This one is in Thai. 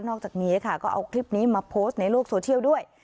อกจากนี้ค่ะก็เอาคลิปนี้มาโพสต์ในโลกโซเชียลด้วย